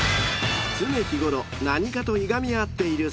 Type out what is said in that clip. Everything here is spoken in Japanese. ［常日頃何かといがみ合っている３県］